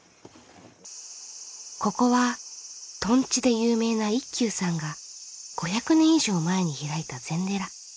ここはとんちで有名な一休さんが５００年以上前に開いた禅寺。